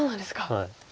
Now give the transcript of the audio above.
はい。